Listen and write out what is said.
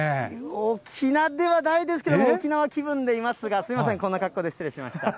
沖縄ではないですけれども、沖縄気分でいますが、すみません、こんな格好で失礼しました。